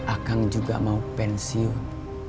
akang juga mau pensiun